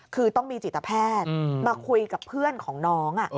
คือต้องมีจิตแพทย์มาคุยกับเพื่อนของน้อง